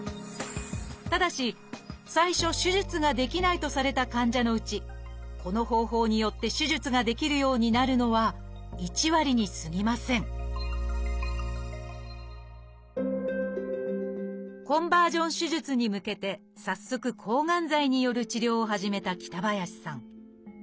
ただし最初手術ができないとされた患者のうちこの方法によって手術ができるようになるのは１割にすぎませんコンバージョン手術に向けて早速抗がん剤による治療を始めた北林さん。